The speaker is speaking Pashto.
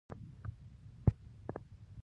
هيله ده چې درانه لوستونکي زما عرض ومني.